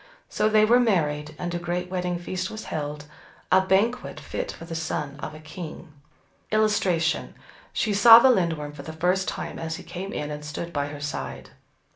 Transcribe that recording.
So they were married, and a great wedding feast was held, a banquet fit for the son of a king. [Illustration: She saw the Lindworm for the first time as he came in and stood by her side.